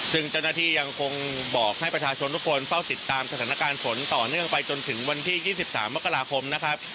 ซึ่งเจ้าหน้าที่ยังคงบอกให้ประชาชนทุกคนเฝ้าติดตามสถานการณ์ฝนต่อเนื่องไปจนถึงวันที่๒๓มกราคมนะครับ